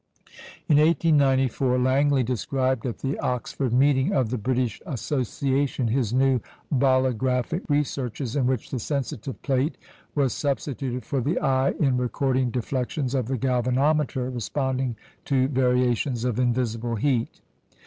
In 1894, Langley described at the Oxford Meeting of the British Association his new "bolographic" researches, in which the sensitive plate was substituted for the eye in recording deflections of the galvanometer responding to variations of invisible heat.